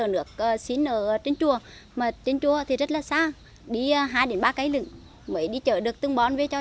nước lũ có ba cái lựng